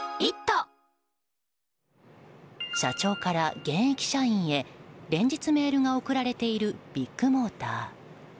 社長から現役社員へ連日メールが送られているビッグモーター。